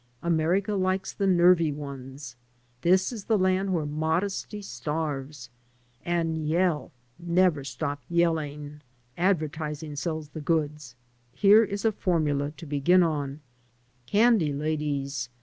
America likes the nervy ones. \\ This is the land where modesty starves. And yell, ' I never stop yelling. Advertising sells the goods. Here I is a formula to begin on: * Candy, ladies!